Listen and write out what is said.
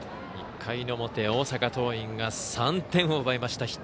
１回の表、大阪桐蔭が３点を奪いました。